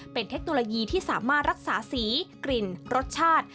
เป็นเทคโนโลยีที่สามารถรักษาสีกลิ่นรสชาติ